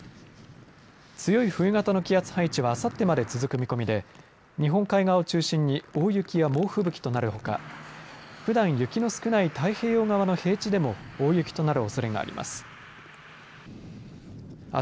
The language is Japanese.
強い冬型の気圧配置はあさってまで続く見込みで日本海側を中心に大雪や猛吹雪となるほかふだん雪の少ない太平洋側の平地でも大雪となるおそれがあります。